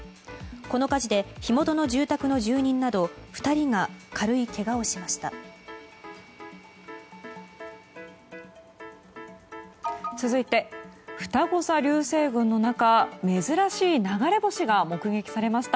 この火事で火元の住宅の住人など２人が軽いけがをしました。